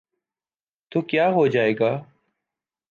تو کیا ہوجائے گا۔